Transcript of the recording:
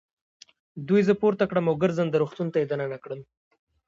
دوی زه پورته کړم او ګرځنده روغتون ته يې دننه کړم.